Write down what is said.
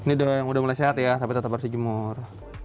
ini udah mulai sehat ya tapi tetap harus dijemur